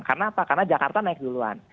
karena apa karena jakarta naik duluan